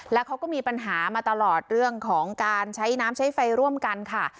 แล้วเขาก็มีปัญหามาตลอดเรื่องของการใช้น้ำใช้ไฟร่วมกันค่ะ